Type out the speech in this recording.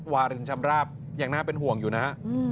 วารินชำราบยังน่าเป็นห่วงอยู่นะฮะ